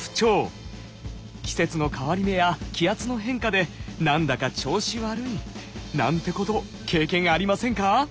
季節の変わり目や気圧の変化で何だか調子悪いなんてこと経験ありませんか？